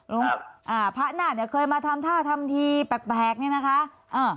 อ่าพระนาคเนี่ยเคยมาทำท่าทำทีแปลกเนี่ยนะคะอ่า